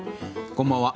こんばんは。